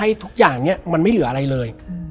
แล้วสักครั้งหนึ่งเขารู้สึกอึดอัดที่หน้าอก